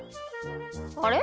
あれ？